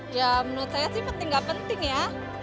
ya menurut saya sih penting nggak penting ya